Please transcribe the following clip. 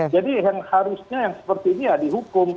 jadi yang harusnya yang seperti ini ya dihukum